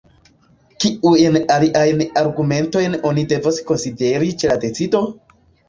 Kiujn aliajn argumentojn oni devos konsideri ĉe la decido?